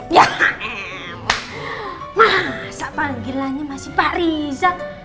masa panggilannya masih pak riza